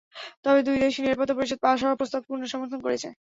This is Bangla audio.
তবে দুই দেশই নিরাপত্তা পরিষদে পাস হওয়া প্রস্তাব পূর্ণ সমর্থন করেছে।